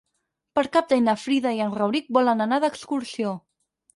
Per Cap d'Any na Frida i en Rauric volen anar d'excursió.